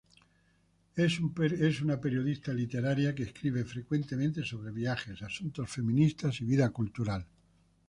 Es una periodista literaria que escribe frecuentemente sobre viajes, asuntos feministas y vida cultural.